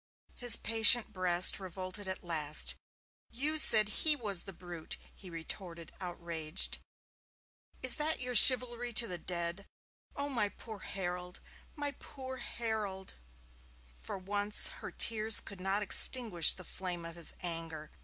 His patient breast revolted at last. 'You said he was the brute!' he retorted, outraged. 'Is that your chivalry to the dead? Oh, my poor Harold, my poor Harold!' For once her tears could not extinguish the flame of his anger.